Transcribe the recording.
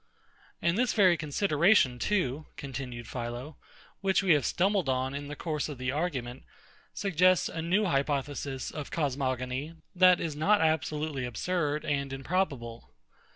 And this very consideration too, continued PHILO, which we have stumbled on in the course of the argument, suggests a new hypothesis of cosmogony, that is not absolutely absurd and improbable.